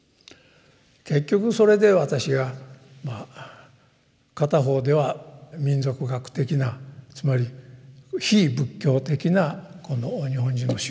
結局それで私は片方では民俗学的なつまり非仏教的な日本人の宗教心ですね